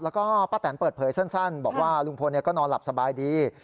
แล้วก็ป้าแตนเปิดเผยสั้นบอกว่าลุงพลก็นอนหลับสบายดี